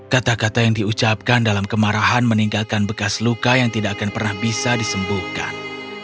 kata kata yang diucapkan dalam kemarahan meninggalkan bekas luka yang tidak akan pernah bisa disembuhkan